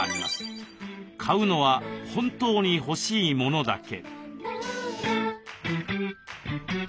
買うのは本当に欲しいものだけ。